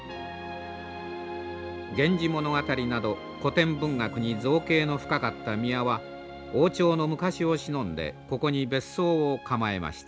「源氏物語」など古典文学に造詣の深かった宮は王朝の昔をしのんでここに別荘を構えました。